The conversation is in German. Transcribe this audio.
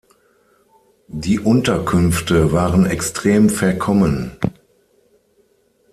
Die Unterkünfte waren extrem verkommen.